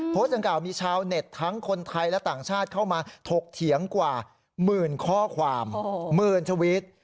ดังกล่าวมีชาวเน็ตทั้งคนไทยและต่างชาติเข้ามาถกเถียงกว่าหมื่นข้อความหมื่นทวิต